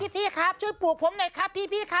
แบบนี้ครับ